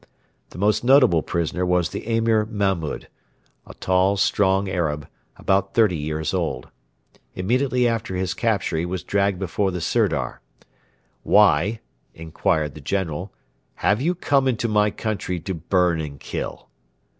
The most notable prisoner was the Emir Mahmud a tall, strong Arab, about thirty years old. Immediately after his capture he was dragged before the Sirdar. 'Why,' inquired the General, 'have you come into my country to burn and kill?'